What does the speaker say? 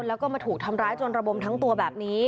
แล้วก็มาถูกทำร้ายจนระบมทั้งตัวแบบนี้